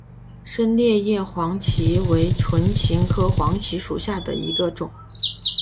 深裂叶黄芩为唇形科黄芩属下的一个种。